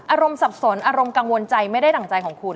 สับสนอารมณ์กังวลใจไม่ได้ดั่งใจของคุณ